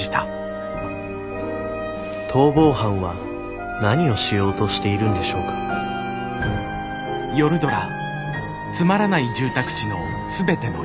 逃亡犯は何をしようとしているんでしょうか博喜は？